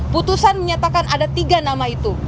putusan menyatakan ada tiga nama itu